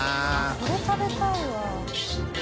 これ食べたいわ。